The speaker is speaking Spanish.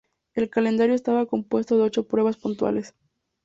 El calendario estaba compuesto de ocho pruebas puntuables.